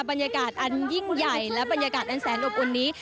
บรรยากาศอันยิ่งใหญ่และบรรยากาศอันแสนอบอุ่นนี้